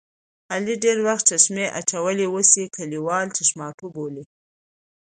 علي ډېری وخت چشمې اچوي اوس یې کلیوال چشماټو بولي.